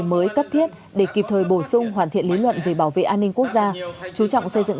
mới cấp thiết để kịp thời bổ sung hoàn thiện lý luận về bảo vệ an ninh quốc gia chú trọng xây dựng